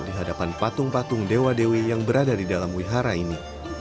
di hadapan patung patung dewa dewi yang berada di dalam wihara ini